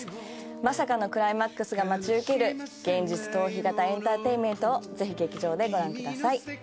まさかのクライマックスが待ち受ける現実逃避型エンターテインメントをぜひ劇場でご覧ください